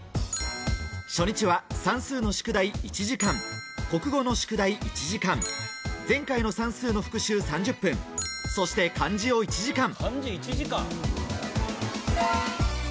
初日は算数の宿題１時間、国語の宿題１時間、前回の算数の復習３０分、そして漢字を１時間。